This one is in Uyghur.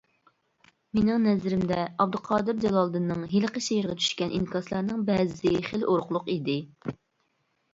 مىنىڭ نەزىرىمدە ئابدۇقادىر جالالىدىننىڭ ھېلىقى شېئىرىغا چۈشكەن ئىنكاسلارنىڭ بەزىسى خىلى ئۇرۇقلۇق ئىدى.